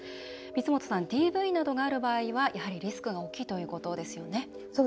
光本さん、ＤＶなどがある場合はやはり、リスクが大きいということですよね。